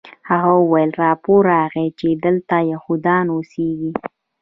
هغه وویل راپور راغلی چې دلته یهودان اوسیږي